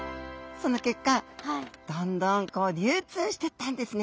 その結果どんどんこう流通してったんですね。